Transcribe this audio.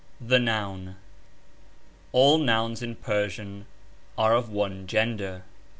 THE NOUN. All nouns in Persian are of one gender.